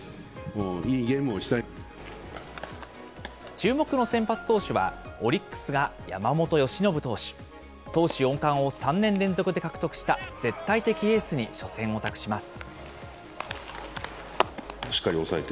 注目の先発投手は、オリックスが山本由伸投手。投手４冠を３年連続で獲得した絶対的エースに初戦を託します。